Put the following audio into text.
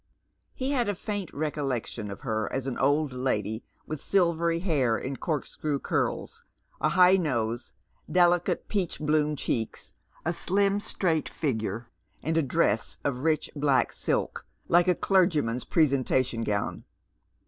He had a faint recolleo tion of her as an old lady with silveiy hair in corkscrew curls, a high nose, delicate peach bloom cheeks, a slim straight figure, and a dress of rich black silk, like a clergyman's presentation gown.